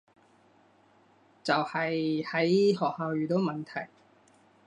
就係喺學校遇到問題